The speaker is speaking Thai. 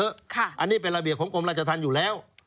อันนี้เป็นระเบียบของกรมราชธรรมอยู่แล้ว